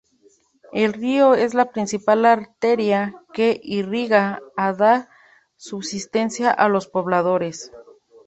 El río es la principal arteria que irriga y da subsistencia a los pobladores.